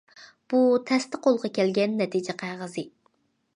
بۇ تەستە قولغا كەلگەن نەتىجە قەغىزى.